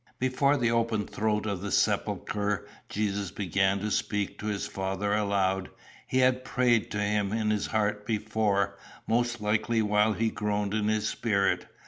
"Before the open throat of the sepulchre Jesus began to speak to his Father aloud. He had prayed to him in his heart before, most likely while he groaned in his spirit.